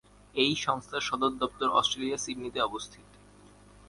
এই সংস্থার সদর দপ্তর অস্ট্রেলিয়ার সিডনিতে অবস্থিত।